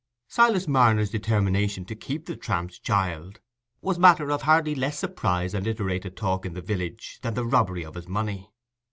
Silas Marner's determination to keep the "tramp's child" was matter of hardly less surprise and iterated talk in the village than the robbery of his money.